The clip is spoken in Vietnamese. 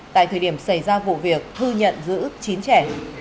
tại thời điểm xảy ra vụ việc thư nhận giữ chín trẻ